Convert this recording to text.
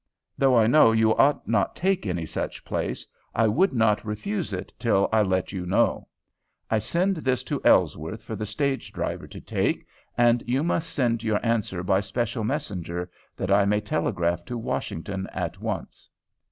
Though I know you ought not take any such place, I would not refuse it till I let you know. I send this to Ellsworth for the stage driver to take, and you must send your answer by special messenger, that I may telegraph to Washington at once.